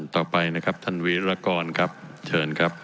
ต่อไปนะครับท่านวีรกรครับเชิญครับ